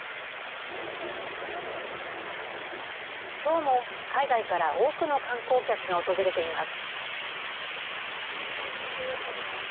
きょうも海外から多くの観光客が訪れています。